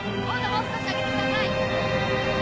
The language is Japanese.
もう少し上げてください。